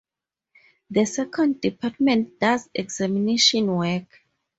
The Second Department does examination work.